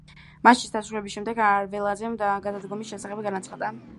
მატჩის დასრულების შემდეგ არველაძემ გადადგომის შესახებ განაცხადა.